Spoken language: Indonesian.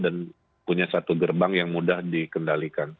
dan punya satu gerbang yang mudah dikendalikan